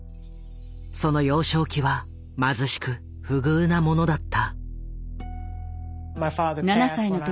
その幼少期は貧しく不遇なものだった。